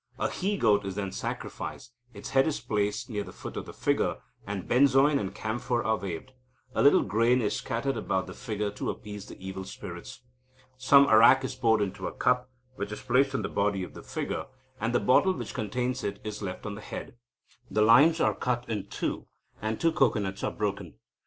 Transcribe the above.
A he goat is then sacrificed. Its head is placed near the foot of the figure, and benzoin and camphor are waved. A little grain is scattered about the figure to appease the evil spirits. Some arrack is poured into a cup, which is placed on the body of the figure, and the bottle which contained it is left on the head. The limes are cut in two, and two cocoanuts are broken.